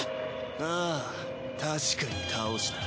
あぁ確かに倒した。